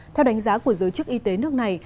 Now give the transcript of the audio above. theo đánh giá của giới chức y tế nước này